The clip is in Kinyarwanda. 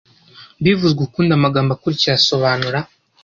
bivuzwe ukundi amagambo akurikira asobanura